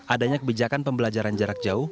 adanya kebijakan pembelajaran jarak jauh